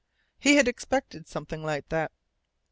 He had expected something like that.